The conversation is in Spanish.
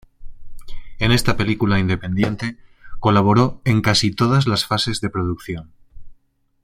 En esta película independiente colaboró en casi todas las fases de producción.